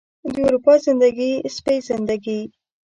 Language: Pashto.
د اروپا زندګي، سپۍ زندګي